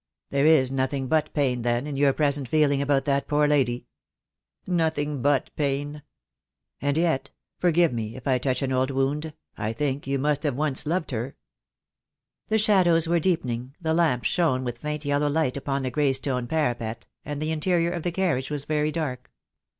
"There is nothing but pain, then, in your present feeling about that poor lady?" "Nothing but pain." THE DAY WILL COME. 269 "And yet — forgive me if I touch an old wound — I think you must once have loved her?" The shadows were deepening, the lamps shone with faint yellow light upon the grey stone parapet, and the interior of the carriage was very dark.